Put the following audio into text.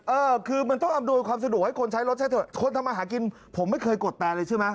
เออคือมันต้องอำนวยความสะดวกให้คนใช้รถคนทำอาหารกินผมไม่เคยกดแตนเลยถึงก่อน